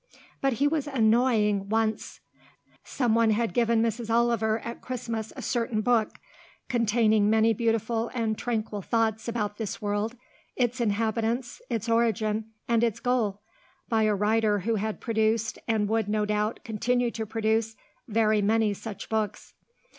But he was annoying once. Someone had given Mrs. Oliver at Christmas a certain book, containing many beautiful and tranquil thoughts about this world, its inhabitants, its origin, and its goal, by a writer who had produced, and would, no doubt, continue to produce, very many such books.